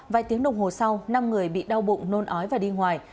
vài tiếng đồng hồ sau năm người bị đau bụng nôn ói và đi ngoài